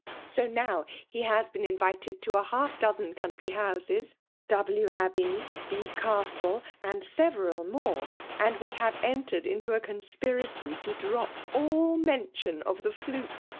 So now he has been invited to half a dozen country houses, W — Abbey, B — Castle, and several more ; and we have entered into a con spiracy to drop all mention of the flute.